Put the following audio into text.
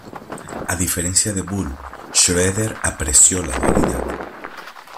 A diferencia de Boole, Schröder apreció la dualidad.